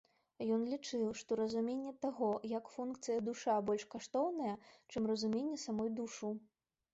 Ён лічыў, што разуменне таго, як функцыя душа больш каштоўная, чым разуменне самой душу.